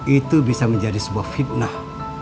itu bisa menjadi sebuah fitnah